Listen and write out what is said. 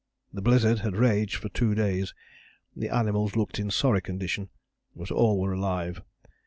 The blizzard had raged for two days. The animals looked in a sorry condition, but all were alive.